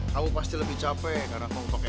kamu pasti lebih capek karena kau untuk emosi